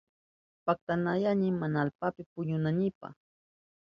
Patanayani mana allpapi puñunaynipa.